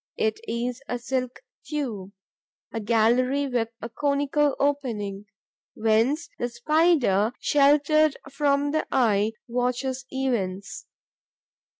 It is a silk tube, a gallery with a conical opening, whence the Spider, sheltered from the eye, watches events.